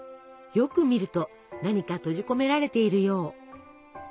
よく見ると何か閉じ込められているよう。